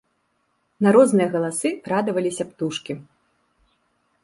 На розныя галасы радаваліся птушкі.